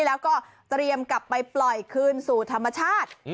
แล้วก็เตรียมกลับไปปล่อยคืนสู่ธรรมชาติ